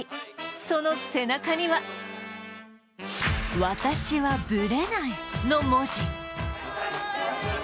その背中には、わたしはブレないの文字。